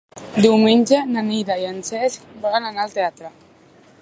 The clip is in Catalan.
Diumenge na Neida i en Cesc volen anar al teatre.